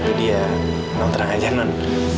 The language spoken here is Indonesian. jadi ya non terang aja non